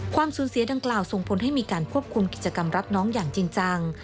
ความสูญเสียดังกล่าวส่งผลให้มีการควบคุมกิจกรรมรับน้องอย่างจริงจัง